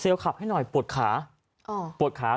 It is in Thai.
เซลขับให้หน่อยปวดขา